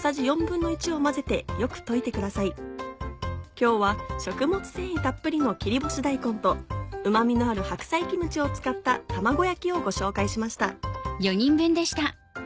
今日は食物繊維たっぷりの切り干し大根とうま味のある白菜キムチを使った卵焼きをご紹介しました。